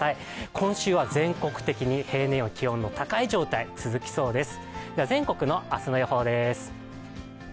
今週は全国的に平年より気温の高い状態が続きそうです。